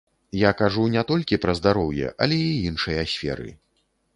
Я кажу не толькі пра здароўе, але і іншыя сферы.